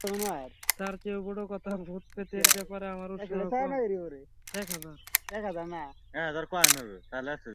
তার চেয়েও বড় কথা ভূত-প্রেতের ব্যাপারে আমার উৎসাহ কম।